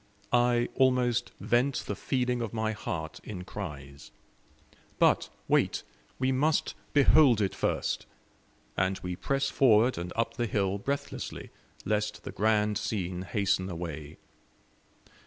I almost vent the feeling of my heart in cries. But wait, we must behold it first. And we press forward and up the hill breathlessly, lest the grand scene hasten away.